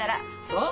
そう？